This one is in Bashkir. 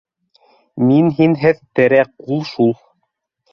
Мин һинһеҙ тере ҡул шул